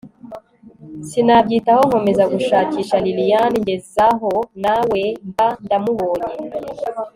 sinabyitaho nkomeza gushakisha lilian ngezaho nawe mba ndamubonye